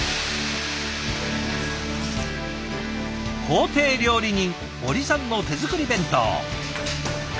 公邸料理人堀さんの手作り弁当。